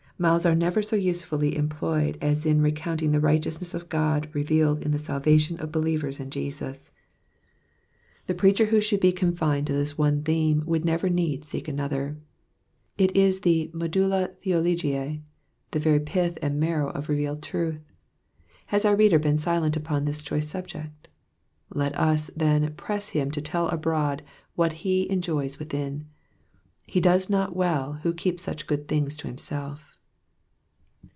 Mouths are never so usefully employed as in recounting the righteousness of God revealed in the salvation of believers in Jesus. The preacher who should be confined to this one theme would never need seek another : it is the medulla thtologio^ the very pith and marrow of revealed truth. Has our reader been silent upon this choice subject ? Let us, then, press him to tell abroad what he enjoys within : he docs not well who keeps such glad tidings to himself.